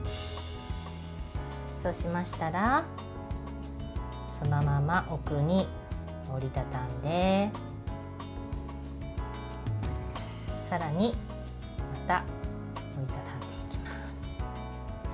そうしましたらそのまま奥に折り畳んでさらにまた折り畳んでいきます。